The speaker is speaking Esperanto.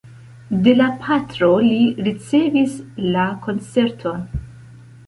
De la patro li ricevis la koncerton.